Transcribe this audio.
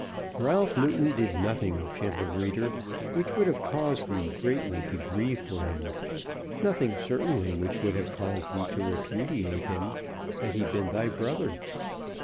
Ralph Newton did nothing, gentle reader, which would have caused thee greatly to grieve for him, nothing certainly which would have caused thee to repudiate him, had he been thy brother.